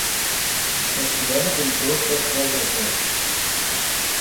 Es gehörte dem Kloster Krevese.